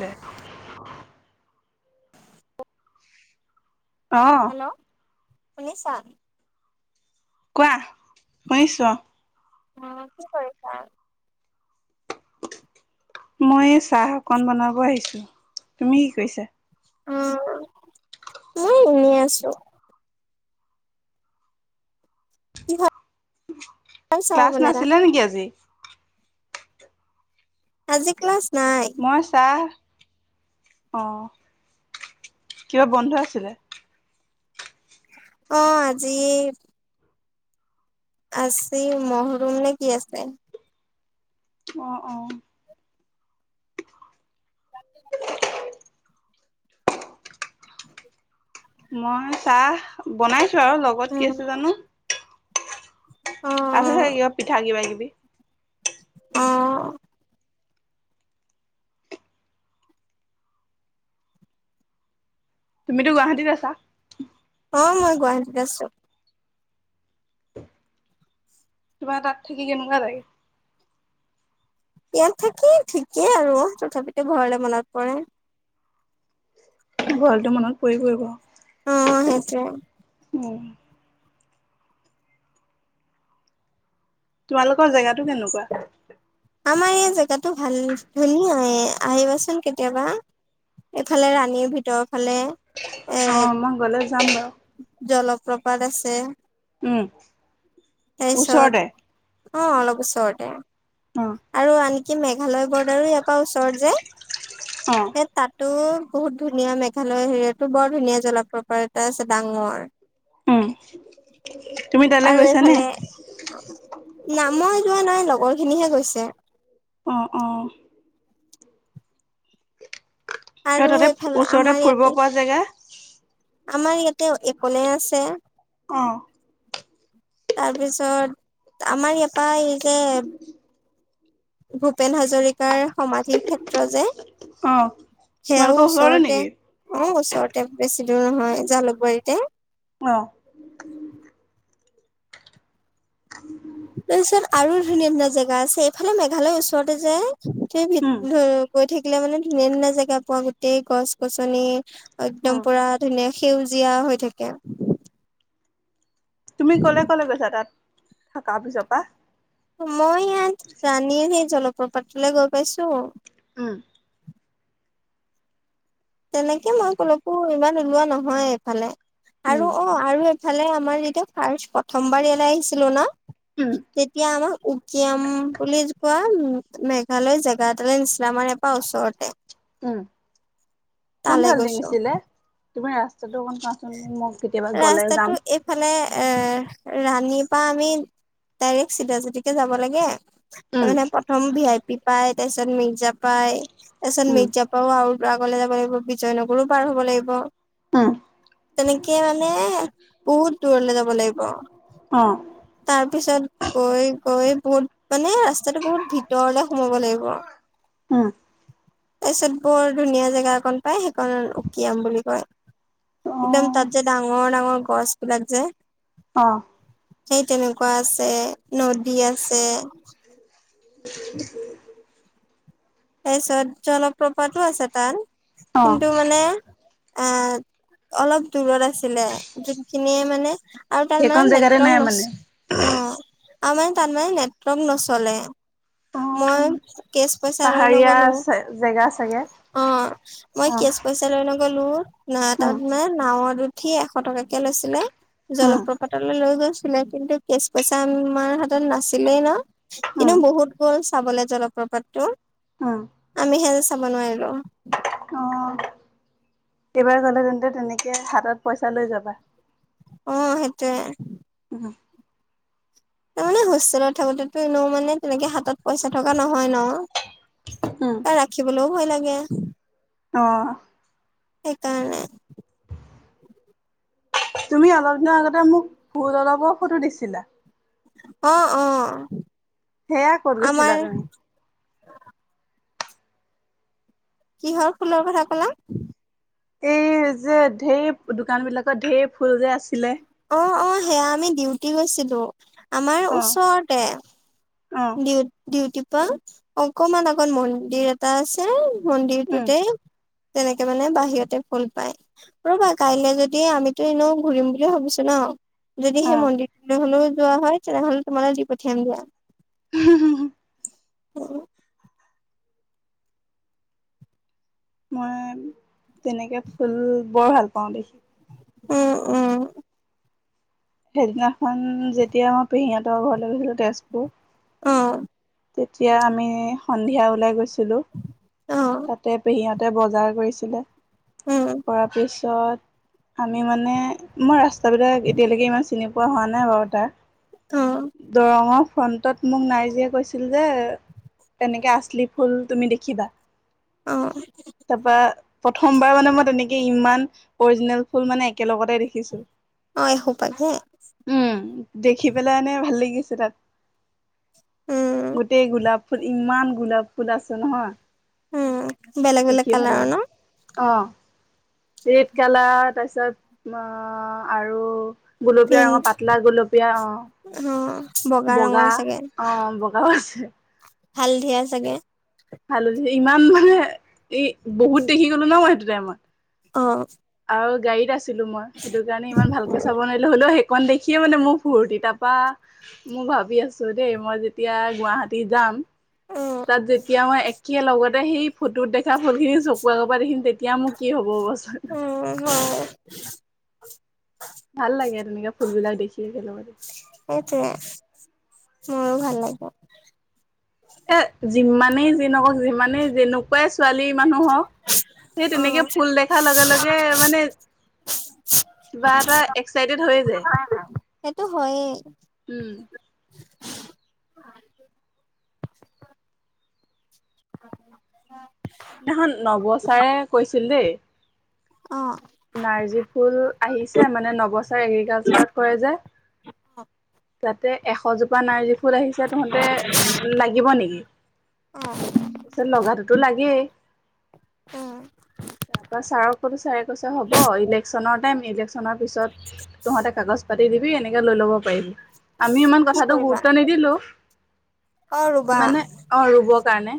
দেখ [unintelligible] আহ হেল্ল' শুনিছা কোৱা শুনিছো অ উ কি কৰিছা মই চাহ অকন বনাব আহিছো তুমি কি কৈছা [unintelligible] অ মই এনেই আছো কিহৰ চাহ ক্লাছ বনালা নাছিলে নেকি আজি আজি ক্লাছ নাই মই চাহ আহ কিবা বন্ধ আছিলে অ আজি আছি মহৰুম নে কি আছে অ অ মই চাহ বনাইছো আৰু লগত উম কি আছে জানো অ আছে চাগে কিবা পিঠা কিবা কিবি। অ তুমিতো গুৱাহাটীত আছা অ মই গুৱাহাটীত আছো তাত থাকি কেনেকুৱা লাগে ইয়াত থাকি ঠিকেই আৰু তথাপিতো ঘৰলৈ মনত পৰে ঘৰলেটো মনত পৰিবই ক অ সেইটোৱে উম। তোমালোকৰ জেগাটো কেনেকুৱা? আমাৰ এই জেগাটো ভাল ধুনীয়া আহিবাচোন কেতিয়াবা এইফালে ৰাণীৰ ভিতৰৰ ফালে অ', এৰ মই গ'লে যাম বাৰু। জলপ্ৰপাত আছে উম তাৰপিছত ওচৰতে অ অলপ ওচৰতে অ', আৰু আনকি মেঘালয় বৰ্ডাৰো ইয়াৰ পৰা ওচৰত অ', যে তাত টো বহুত ধুনীয়া মেঘালয় হেৰিয়াটো বৰ ধুনীয়া জলপ্ৰপাত এটা আছে ডাঙৰ উম তুমি তালৈ আৰু গৈছানে এইফালে না মই যোৱা নাই লগৰ খিনিহে গৈছে অ অ আৰু তাতে এইফালে আমাৰ ওচৰতে ফুৰিব ইয়াতে পৰা জেগা। আমাৰ ইয়াতে একলে আছে অঁ তাৰপিছত আমাৰ ইয়াৰপৰা এই যে ভূপেন হাজৰিকাৰ সমাধিৰ ক্ষেত্ৰ যে অ সেয়াও তোমালোকৰ হলৰ ন ওচৰতে নেকি অ ওচৰতে বেছি দূৰ নহয় জালুকবাৰীতে অ', তাৰপিছত আৰু ধুনীয়া ধুনীয়া জেগা আছে এইফালে মেঘালয়ৰ ওচৰতে যে সেই উম, ভ ধ গৈ থাকিলে মানে ধুনীয়া ধুনীয়া জেগা পোৱা গোতেই গছ -গছনি [unintelligible] উম, একদম পুৰা ধুনীয়া সেউজীয়া হৈ থাকে তুমি কলে কলে গৈছা তাত থকা পিছৰ পৰা মই ইয়াত ৰাণীৰ সেই জলপ্ৰপাতলৈ গৈ পাইছো উম তেনেকে মই কলৈকো ইমান ওলোৱা নহয় এইফালে উম, আৰু অ আৰু [unintelligible] ফালে আমাৰ যেতিয়া ফাৰ্ষ্ট প্ৰথমবাৰ ইয়ালৈ আহিছিলো ন উম, তেতিয়া আমাক উকিয়াম বুলি কোৱা উ মেঘালয় জেগা এটালে নাছিলে আমাৰ ইয়াৰ পৰা ওচৰতে। উম কোন তালৈ ফালে গৈছো ডিঙিছিলে তুমি ৰা ত গ কোৱাচোন মোক কেতিয়াবা গলে ৰাস্তাটো যাম। এইফালে এ ৰাণীৰ পৰা আমি ডাইৰেক্ট চিধাচিধিকে যাব লাগে। উম, তাৰ মানে প্ৰথম ভি আই পি পাই তাৰপিছত মিৰ্জা পাই তাৰ পিছত উম, মিৰ্জা পাও আৰু। আগলৈ যাব লাগিব বিজয়নগৰো পাৰ হ'ব লাগিব। অ তেনেকে মানে বহুত দূৰলে যাব লাগিব। অ তাৰ পিছত গৈ গৈ বহুত মানে ৰাস্তাটো বহুত ভিতৰলে সোমাব লাগিব। [unintelligible] উম। তাৰ পিছত বৰ ধুনীয়া জেগা অকন পাই সেইকণ উকিয়াম বুলি কয়। একদম অ', তাত যে ডাঙৰ ডাঙৰ গছ বিলাক যে অ', সেই তেনেকুৱা আছে নদী আছে। [unintelligible] তাৰপিছত জনলপ্ৰপাতো আছে তাত অ', কিন্তু মানে। এ অলপ দূৰত আছিলে যোনখিনিয়ে মানে। আৰু তাত মানে সেইকণ জেগাতে নেটৱৰ্ক নাই মানে? নাছিল অ। আৰু মানে তাত মানে নেটৱৰ্ক নচলে মই অ', কেচ। পইচা লৈ নগলো পাহাৰীয়া জেগা। চাগে? অ মই অ', কেচ পইচা লৈ নগ'লো ন উম, তাত মে নাওঁত উঠি। উঠি এশ টকাকে লৈছিলে উম। জলপ্ৰপাতলৈ লৈ গৈছিলে। ছালে কিন্তু কেচ পইচা আমাৰ হাতত নাছিলেই ন কিন্তু উম, বহুত গছ। চাবলে জলপ্ৰপাতটো উম, আমি হে চাব নোৱাৰিলোঁ। অ এইবাৰ গ'লে তেন্তে তেনেকে হাতত পইচা লৈ যাবা। অ সেইটোৱেই। উহ। তাৰমানে হোষ্টেলত থাকোতেতো এনেও মানে তেনেকে হাতত পইচা থকা নহয় ন। উম, ত ৰাখিবলৈও ভয় লাগে। অ। সেইকাৰণে। তুমি অলপ দিনৰ আগতে মোক ফুল অলপৰ ফটো দিছিলা। অ‌ অ। সেয়া ক'ত গৈছিলা আমাৰ তুমি। কিহৰ ফুলৰ কথা কলা। এই যে ঢেৰ দোকান বিলাকত ঢেৰ ফুল যে আছিলে। অ অ সেয়া আমি ডিউটি গৈছিলোঁ আমাৰ অ, ওচৰতে। অ, ডিউ ডিউটিৰ পৰা অকমান আগত মন্দিৰ এটা আছে। উম, মন্দিৰটোতে। তেনেকে মানে বাহিৰতে ফুল পায়, ৰবা কাইলে যদি আমিতো এনেও ঘূৰিম বুলি ভাবিছোঁ ন। যদি অ, সেই মন্দিৰটোলৈ হলেও যোৱা হয় তেনেহ'লে তোমালৈ দি পঠিয়াম দিয়া। উম হু হু। উম। মই তেনেকে ফুল বৰ ভাল পাওঁ দেখি। ওম ওম। সেইদিনাখন যেতিয়া মই পেহীহঁতৰ ঘৰলৈ গৈছিলোঁ তেজপুৰ। অ। তেতিয়া আমি সন্ধিয়া ওলাই গৈছিলোঁ অ', তাতে পেহীহঁতৰ। তাতে বজাৰ কৰিছিলে উম, কৰা পিছত। তাত, আমি মানে মই ৰাস্তাবিলাক এতিয়ালো চিনি পোৱা হোৱা নাই বাৰু তাৰ। অ', দৰং অ', ফ্ৰণ্টত মোক নাৰ্জীয়ে কৈছিল যে তেনেকে আছলি ফুল তুমি দেখিবা। অ', তাৰপৰা প্ৰথমবাৰ মানে মই তেনেকে ইমান অৰিজিনেল ফুল মানে একেলগতে দেখিছোঁ। অ', এসোপাকে উম, দেখি পেলাই এনে ভাল লাগিছে তাত। উম, গোটেই গোলাপ ফুল, ইমান গোলাপ ফুল আছে নহয়। উম। বেলেগ বেলেগ দেখিয়ে ভাল কালাৰৰ লাগিল, ন অহ। ৰেড কালাৰ, তাৰপিছত অ আৰু গুলপীয়া পিংক ৰঙৰ, পাতলা গুলপীয়া অ', অ', বগা ৰঙৰ অ' বগা [unintelligible] আছে। হালধিয়া চাগে। হালধি ইমান মানে, ই বহুত দেখি গলোঁ ন মই সেইটো টাইমত। অ'। আৰু গাড়ীত আছিলো মই সেইটো কাৰণ ইমান ভালকে চাব নোৱাৰিলো, হলোও সেই অকন দেখিয়ো মানে মোৰ ফূৰ্তি, তাৰপা মোৰ ভাবি আছো দেই মই যেতিয়া গুৱাহাটী যাম উম, তাত যেতিয়া মই একে লগতে সেই ফটোত দেখা ফুলখিনি চকু আগৰপৰা দেখিম তেতি এতিয়া মোৰ কি হ'ব বচোন। অ'। ভাল লাগে আৰু তেনেকে ফুলবিলাক দেখি সেইটোৱে [unintelligible] মোৰো ভাল লাগে। এ যিমানেই যিহঁওক যিমানেই যেনেকুৱাই ছোৱালী মানুহক, সেই তেনেকে অ'। ফুল দেখাৰ লগে লগে মানে কিবা এটা এক্সাইটেড হৈ যায়। হয়ে। উম দিনাখন নৱ ছাৰে কৈছিল দেই অ', নাৰ্জী ফুল আহিছে, মানে নৱ চাৰে এগ্ৰিকালচাৰত কৰে যে। অ'। যাতে এশজোপা নাৰ্জী ফুল আহিছে তহঁতে লাগিব নেকি? অ', তাৰছত লগাটোতো লাগেই। উম, মই ছাৰক কলো, ছাৰে কৈছে হ'ব ইলেকশ্যনৰ টাইম, ইলেকশ্যনৰ পিছত তহঁতে কাগজ পাতি দিবি এনেকে লৈ ল'ব পাৰিম। আমি ইমান কি কথাটো কৰিবা গুৰুত্ব নিদিলো, অ', ৰুবা মানে অ ৰুব কাৰনে।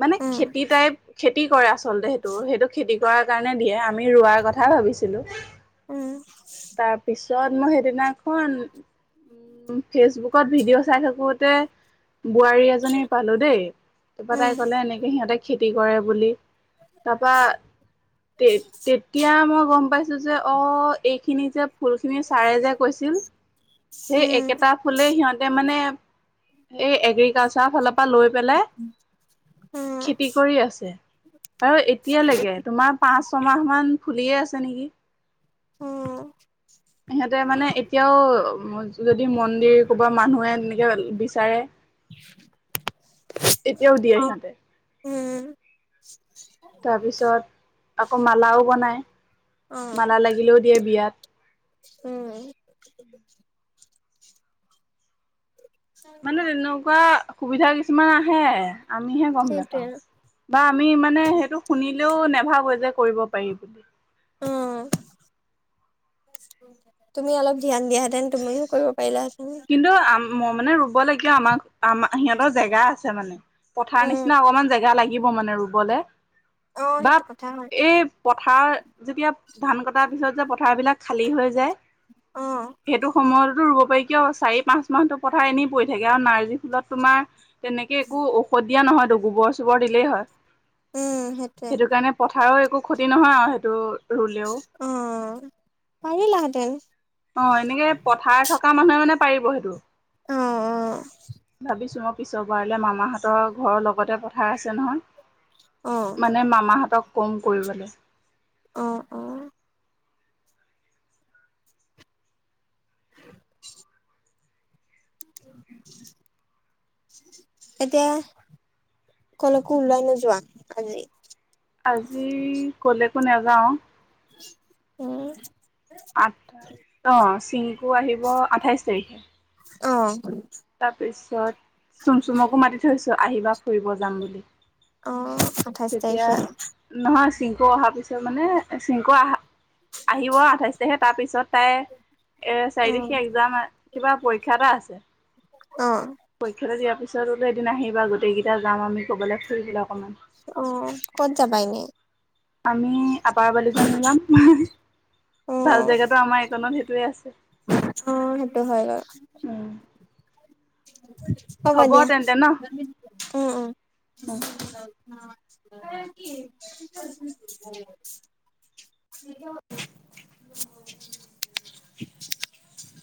মানে উম, খেতি টাইপ খেতি কৰে আচলতে সেইটো, সেইটো খেতি কৰাৰ কাৰণে দিয়ে, আমি ৰোৱাৰ কথা ভাবিছিলোঁ। উম। তাৰপিছত মই সেইদিনাখন ফেচবুকত ভিডিঅ' চাই থাকোতে বোৱাৰী এজনী পালো দেই, তাৰপা উম, তাই কলে এনেকে সিহঁতে খেতি কৰে বুলি। তাৰপা তে-তেতিয়া মই গম পাইছো যে অ' এইখিনি যে ফুলখিনি ছাৰে যে কৈছিল, সেই উম, একেটা ফুলেই সিহঁতে মানে এই এগ্ৰিকালচাৰ ফালৰ পৰা লৈ পেলাই উম, খেতি কৰি আছে আৰু এতিয়ালৈকে তোমাৰ পাঁচ ছমাহ মান খুলিয়ে আছে নিকি। উম। সিহঁতে মানে এতিয়াও, যদি মন্দিৰ ক বা মানুহে এনেকে বিচাৰে। এতিয়াও দিয়ে অ', সিহঁতে। উম। তাৰপিছত আকৌ মালাও বনাই অ', মালা লাগিলেও দিয়ে বিয়াত। উম, [unintelligible] মানে তেনেকুৱা সুবিধা কিছুমান আহে। আমিহে গম সেইটোৱে নেপাওঁ বা আমি মানে সেইটো শুনি লেও নেভাব যে কৰিব পাৰিম। অহ। তুমি অলপ ধ্যান দিয়াহেঁতেন তুমিও কৰিব পাৰিলাহেতেন। কিন্তু মই মানে হব লাগিয়া আমাৰ আমাৰ সিহঁতৰ জেগা আছে মানে, পথাৰ উম নিচিনা অকনমান জেগা লাগি লাগিব মানে ৰুবলে অ বা সেইটো কথা হয় এই পথাৰ যেতিয়া ধান কটাৰ পিছত যে পথাৰ বিলাক খালী হৈ যায়, অ সেইটো সময়তো ৰুব পাৰি কিয় চাৰি পাঁচ মাহতো পথাৰ এনেই পৰি থাকে আৰু নাৰ্জী ফুলত তোমাৰ তেনেকে একো ঔষধ দিয়া নহয়তো গোবৰ চোবৰ দিলেই হয়। উম সেইটোৱে সেইটো কাৰণে পথাৰৰ একো ক্ষতি নহয় আৰু সেইটো ৰুলেও। পাৰিলা হেতেন অ এনেকে পথাৰ থকা মানুহে মানে পাৰিব সেইটো অ ভাবিছোঁ মই পিছৰ বাৰলে মামাহঁতৰ ঘৰৰ লগতে পথাৰ আছে অ নহয়। মানে মামাহঁতক কম কৰিবলে। অহ অহ [unintelligible] [unintelligible] এতিয়া কলৈকো ওলাই নোযোৱা আজি আজি কলেকো নেযাওঁ উম আঠ দছ চিংকু আহিব আঠাইছ তাৰিখে অ তাৰপিছত চুম চুমকো মাতি থৈছো আহিবা ফুৰিব যাম বুলি। অ আঠাইছ তেতিয়া তাৰিখে নহয় চিংকু অহা পিছত ত মানে চিংকু আহা আহিব আঠাইছ তাৰিখে তাৰপিছত তাই এ চাৰি উম তাৰিখে একজাম কিবা পৰীক্ষা এটা আছে। অ পৰীক্ষাটো দিয়াৰ পিছত বোলো এদিন আহিবা গোটেইকেইটা যাম আমি ক'বালে ফুৰিবলে। অ ক'ত যাবা এনে? আমি আপাৰ বালিজন ওলাম। অ ভাল জেগাতো আমাৰ এইকনত সেইটোৱে আছে। অ সেইটো হয় বাৰু। উম হ'ব দিয়া তেন্তে ন অ অ উম [unintelligible] [unintelligible]